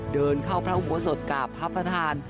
เดินเข้าพระอุโบสถกราบพระประธาน